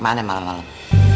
mau kemana malam dua